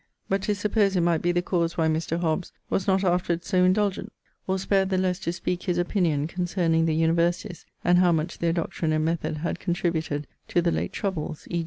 But 'tis supposed it might be the cause why Mr. Hobbes was not afterwards so indulgent, or spared the lesse to speake his opinion, concerning the Universities and how much their doctrine and method had contributed to the late troubles [e.